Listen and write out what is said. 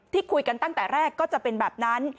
ที่คุยกันตั้งแต่แรกก็จะเป็นแบบนั้น